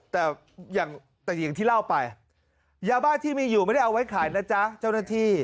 แต่อย่างแต่อย่างที่เล่าไปยาบ้าที่มีอยู่ไม่ได้เอาไว้ขายนะจ๊ะเจ้าหน้าที่